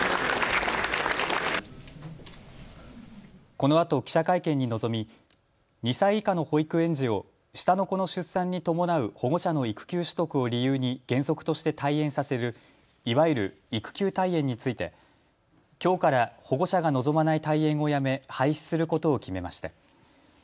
このあと記者会見に臨み２歳以下の保育園児を下の子の出産に伴う保護者の育休取得を理由に原則として退園させるいわゆる育休退園についてきょうから保護者が望まない退園をやめ廃止することを決めました。